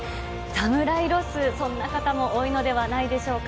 侍ロス、そんな方も多いのではないでしょうか。